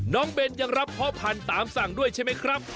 เบนยังรับพ่อพันธุ์ตามสั่งด้วยใช่ไหมครับ